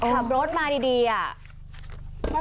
ขับรถมาดีอ่ะ